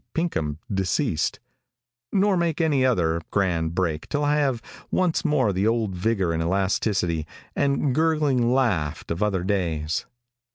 Pinkham, deceased," nor make any other grand break till I have once more the old vigor and elasticity, and gurgling laugh of other days.